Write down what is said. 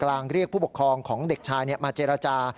เรียกผู้ปกครองของเด็กชายมาเจรจา